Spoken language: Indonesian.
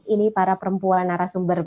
ini para perempuan arah sumber